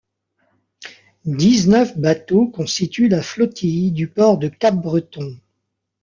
Dix-neuf bateaux constituent la flottille du port de Capbreton.